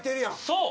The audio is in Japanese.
そう。